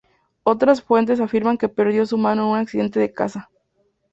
Otras fuentes afirman que perdió su mano en un accidente de caza.